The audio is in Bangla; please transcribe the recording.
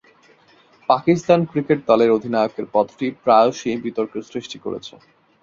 পাকিস্তান ক্রিকেট দলের অধিনায়কের পদটি প্রায়শঃই বিতর্কের সৃষ্টি করেছে।